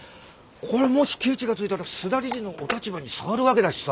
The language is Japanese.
これもしケチがついたら須田理事のお立場に障るわけだしさ。